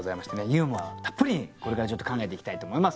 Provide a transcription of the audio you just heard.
ユーモアたっぷりにこれからちょっと考えていきたいと思います。